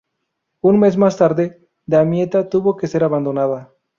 Un mes más tarde, Damietta tuvo que ser abandonada.